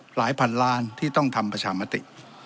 หลายพันล้านที่ต้องทำประชามติ